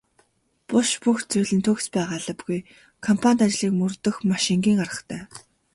Буш бүх зүйл нь төгс байх албагүй компанит ажлыг мөрдөх маш энгийн аргатай.